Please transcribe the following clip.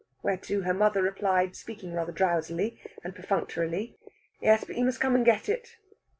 Whereto her mother replied, speaking rather drowsily and perfunctorily: "Yes, but you must come and get it."